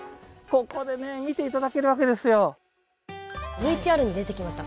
ＶＴＲに出てきました